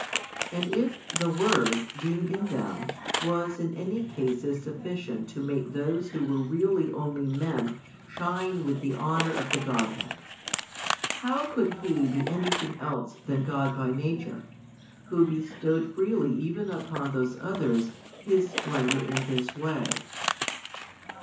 And if the Word, being in them, was in any cases sufficient to make those who were really [only] men shine with the honour of the Godhead; how could He be anything else than God by Nature, Who bestowed freely even upon those others His splendour in this way?